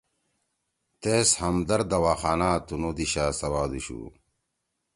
تیس ہمدرد دواخانہ تنُو دیِشا سوادُوشُو